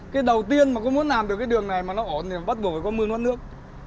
cái đầu tiên mà có muốn làm được cái đường này mà nó ổn thì bắt buộc phải có mưa nước